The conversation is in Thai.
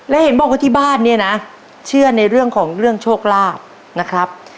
และเห็นบอกว่าที่บ้านเนี่ยนะเชื่อในเรื่องของเรื่องโชคลาภนะครับ